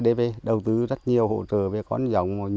để nâng cao thu nhập cho người dân